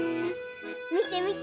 みてみて！